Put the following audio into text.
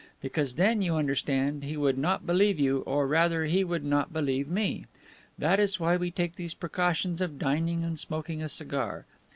Because then, you understand, he would not believe you; or, rather, he would not believe me. That is why we take these precautions of dining and smoking a cigar.